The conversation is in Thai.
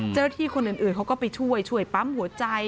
เจ้าหน้าที่คนอื่นเขาก็ไปช่วยช่วยปั๊มหัวใจ